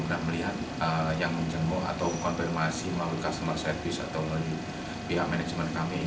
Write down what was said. saya ingin melihat yang mencenggok atau konfirmasi mahu customer service atau pihak manajemen kami